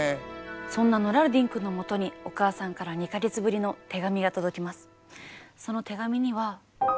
そんなノラルディンくんのもとにお母さんから２か月ぶりの手紙が届きます。